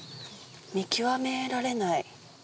見極められない。